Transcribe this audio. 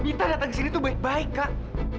kita datang ke sini tuh baik baik kak